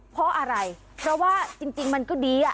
เพราะอะไรเพราะว่าจริงมันก็ดี